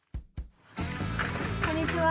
こんにちは。